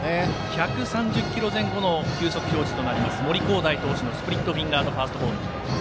１３０キロ前後の球速表示となります森煌誠投手のスプリットフィンガーファストボール。